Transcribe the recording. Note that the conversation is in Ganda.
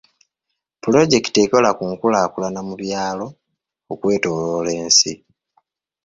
Pulojekiti ekola ku nkulaalulana mu byalo okwetooloola ensi.